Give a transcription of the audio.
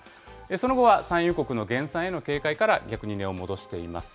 その後は産油国の減産への警戒から逆に値を戻しています。